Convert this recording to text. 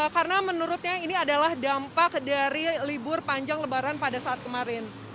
karena menurutnya ini adalah dampak dari libur panjang lebaran pada saat kemarin